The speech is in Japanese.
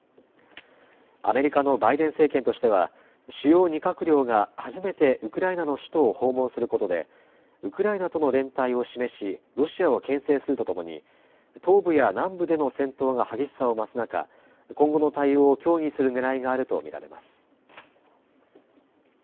アメリカのバイデン政権としては主要２閣僚が初めてウクライナの首都を訪問することでウクライナとの連帯を示しロシアをけん制するとともに東部や南部での戦闘が激しさを増す中、今後の対応を協議するねらいがあると見られます。